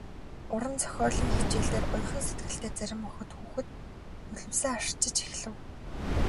Уран зохиолын хичээл дээр уяхан сэтгэлтэй зарим эмэгтэй хүүхэд нулимсаа арчиж эхлэв.